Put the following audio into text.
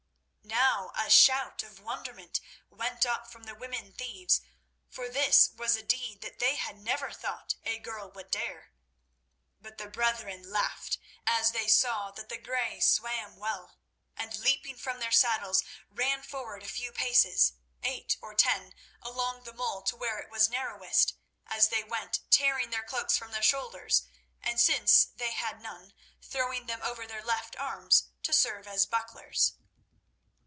Now a shout of wonderment went up from the woman thieves, for this was a deed that they had never thought a girl would dare. But the brethren laughed as they saw that the grey swam well, and, leaping from their saddles, ran forward a few paces—eight or ten—along the mole to where it was narrowest, as they went tearing the cloaks from their shoulders, and, since they had none, throwing them over their left arms to serve as bucklers.